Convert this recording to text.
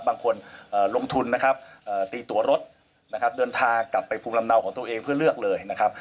บางคนลงทุนนะครับตีตัวรถนะครับเดินทางกลับไปภูมิลำเนาของตัวเองเพื่อเลือกเลยนะครับ